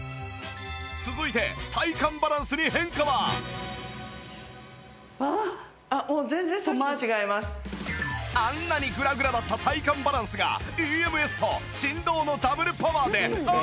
続いてあっもうあんなにグラグラだった体幹バランスが ＥＭＳ と振動のダブルパワーでお見事！